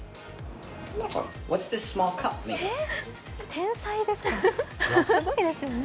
天才ですか？